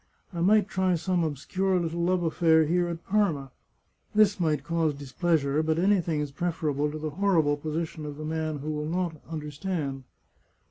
I might try some obscure little love affair here at Parma. This might cause displeasure, but anything is pref erable to the horrible position of the man who will not un derstand.